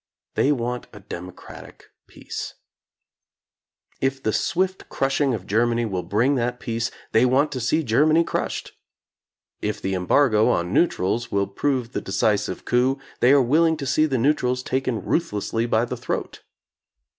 They want a democratic peace. If the swift crushing of Ger many will bring that peace, they want to see Ger many crushed. If the embargo on neutrals will [ 102] prove the decisive coup, they are willing to see the neutrals taken ruthlessly by the throat.